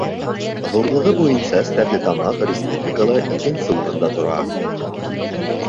Ҙурлығы буйынса Стәрлетамаҡ республикала икенсе урында тора.